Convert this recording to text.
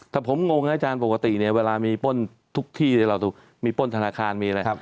ถ้าผมงงไอ้จารโปรคตีเนี่ยเวลามีป้นทุกที่แต่เราถูกรู้มีป้นธนาคารมีอะไร